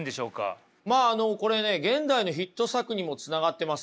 まああのこれね現代のヒット作にもつながってますよ。